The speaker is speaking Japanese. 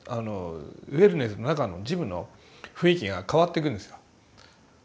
ウェルネスの中のジムの雰囲気が変わってくるんですよ。